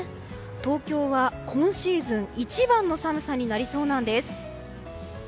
東京は今シーズン一番の寒さになりそうなんです。